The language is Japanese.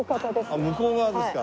あっ向こう側ですか？